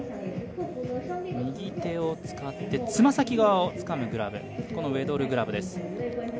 右手を使って爪先側をつかむグラブウェドルグラブです。